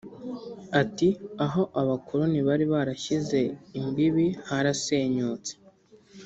Ati” Aho abakoloni bari barashyize imbibi harasenyutse